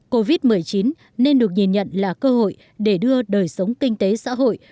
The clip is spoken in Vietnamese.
covid một mươi chín nên được nhìn nhận là cơ hội để đưa đời sống kinh tế xã hội